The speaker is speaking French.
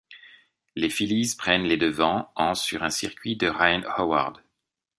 Les Phillies prennent les devants en sur un circuit de Ryan Howard.